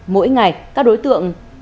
mỗi ngày các đối tượng